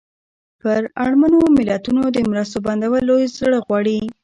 پر اړمنو ملتونو د مرستو بندول لوی زړه غواړي.